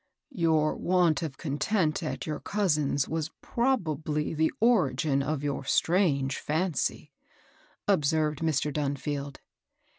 "Your want of content at your cousin's was probably the origin of your strange fimcy," ob served Mr. Dunfield.